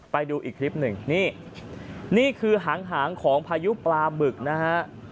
ไปดูอีกคลิปหนึ่งนี่นี่คือหางของพายุปลาบึกนะฮะ